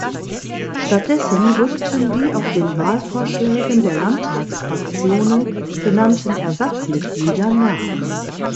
Stattdessen rückten die auf den Wahlvorschlägen der Landtagsfraktionen benannten Ersatzmitglieder nach.